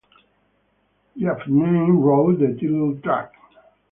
Yavnai wrote the title track.